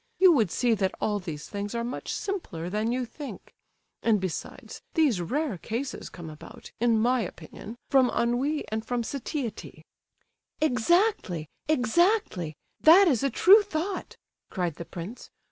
You would see that all these things are much simpler than you think; and, besides, these rare cases come about, in my opinion, from ennui and from satiety." "Exactly, exactly! That is a true thought!" cried the prince.